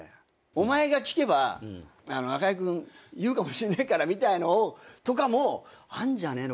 「お前が聞けば中居君言うかもしんないから」みたいのをとかもあんじゃねえのかなみたいな。